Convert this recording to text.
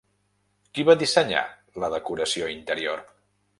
Qui va dissenyar la decoració interior?